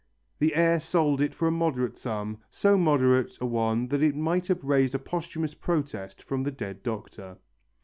The heir sold it for a moderate sum, so moderate a one that it might have raised a posthumous protest from the dead doctor.